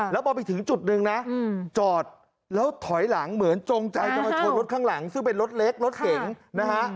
แล้วพอไปถึงจุดหนึ่งนะจอดแล้วถอยหลังเหมือนจงใจจะมาชนรถข้างหลังซึ่งเป็นรถเล็กรถเก๋งนะฮะ